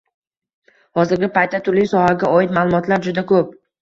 Hozirgi paytda turli sohaga oid ma’lumotlar juda ko‘p.